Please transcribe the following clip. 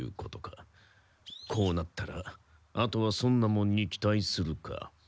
こうなったらあとは尊奈門に期待するか。